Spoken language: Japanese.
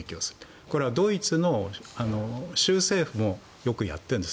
これはドイツの州政府もよくやってるんです。